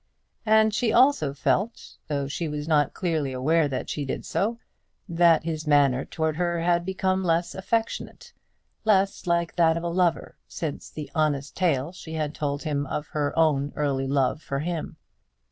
And she also felt, though she was not clearly aware that she did so, that his manner towards her had become less affectionate, less like that of a lover, since the honest tale she had told him of her own early love for him.